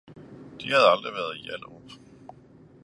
De havde aldrig været i Hjallerup